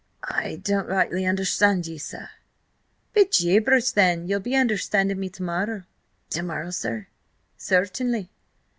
"I don't rightly understand ye, sir?" "Bejabers then, ye'll be understanding me tomorrow!" "To morrow, sir?" "Certainly.